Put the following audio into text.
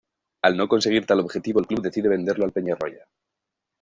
Al no conseguir tal objetivo el club decide venderlo al Peñarroya.